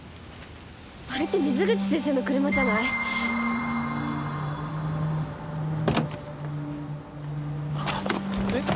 あれって水口先生の車じゃない？えっ？